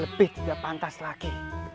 lebih tidak pantas lagi